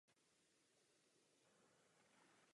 Tato korespondence byla v kopii zaslána také panu Coelhovi.